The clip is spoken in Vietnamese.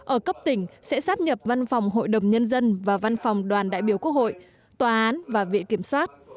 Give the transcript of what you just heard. ở cấp tỉnh sẽ sắp nhập văn phòng hội đồng nhân dân và văn phòng đoàn đại biểu quốc hội tòa án và viện kiểm soát